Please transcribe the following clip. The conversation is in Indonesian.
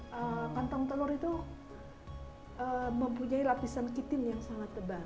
dan kantong telur itu mempunyai lapisan kitim yang sangat tebal